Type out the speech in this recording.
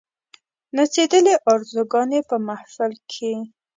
نڅېدلې آرزوګاني په محفل کښي